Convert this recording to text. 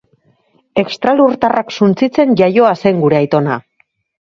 Extralurtarrak suntsitzen iaioa zen gure Aitona.